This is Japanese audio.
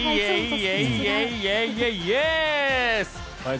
イエイ、イエイ、イエイイエス！